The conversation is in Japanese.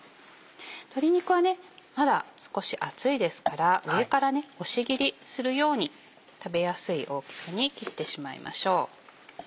鶏肉はまだ少し熱いですから上から押し切りするように食べやすい大きさに切ってしまいましょう。